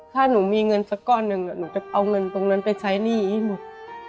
ถ้าหนูมีเงินสักก้อนหนึ่งหนูจะเอาเงินตรงนั้นไปใช้หนี้ให้หมด